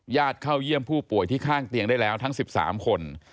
เข้าเยี่ยมผู้ป่วยที่ข้างเตียงได้แล้วทั้ง๑๓คน